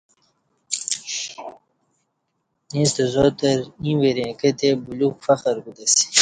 ییݩستہ زاتر ایں وریں کہ تئے بلیوک فخر کوتہ اسی